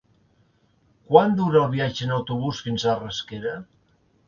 Quant dura el viatge en autobús fins a Rasquera?